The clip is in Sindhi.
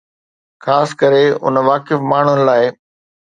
خاص ڪري اڻ واقف ماڻهن لاءِ